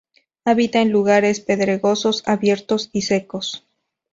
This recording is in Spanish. Habita en lugares pedregosos abiertos y secos.